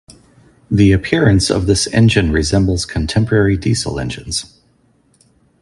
The appearance of this engine resembles contemporary diesel engines.